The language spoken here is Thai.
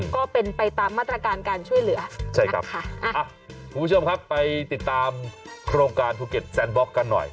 ก็เป็นไปตามมาตรการการช่วยเหลือใช่ครับค่ะอ่ะคุณผู้ชมครับไปติดตามโครงการภูเก็ตแซนบล็อกกันหน่อย